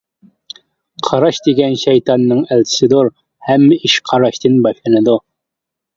قاراش دېگەن شەيتاننىڭ ئەلچىسىدۇر، ھەممە ئىش قاراشتىن باشلىنىدۇ.